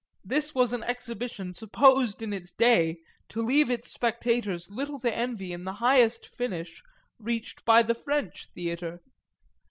This was an exhibition supposed in its day to leave its spectators little to envy in the highest finish reached by the French theatre.